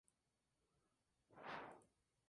La Nueva España.